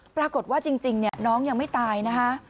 ปรากฏว่าจริงน้องยังไม่ตายนะคะ